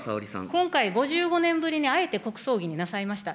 今回、５５年ぶりにあえて国葬儀になさいました。